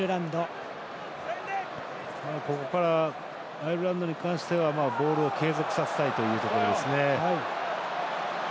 アイルランドに関してはボールを継続させたいというところですね。